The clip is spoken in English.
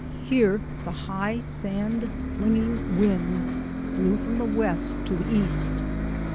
Here the high, sand flinging winds blew from west to east.